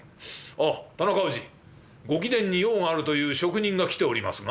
ああ田中氏ご貴殿に用があるという職人が来ておりますが」。